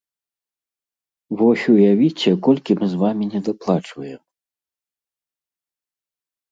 Вось уявіце, колькі мы з вамі недаплачваем!